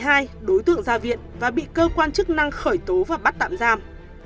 ngày một mươi hai tháng một mươi hai đối tượng ra viện và bị cơ quan chức năng khởi tố và bắt tạm giam